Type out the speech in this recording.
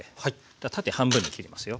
縦半分に切りますよ。